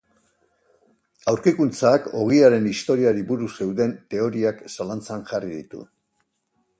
Aurkikuntzak ogiaren historiari buruz zeuden teoriak zalantzan jarri ditu.